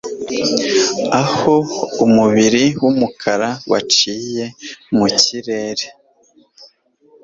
Aho umubiri wumukara waciwe mu kirere